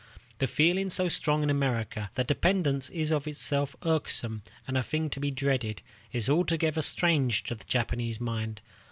The feeling, so strong in America, that dependence is of itself irksome and a thing to be dreaded, is altogether strange to the Japanese mind.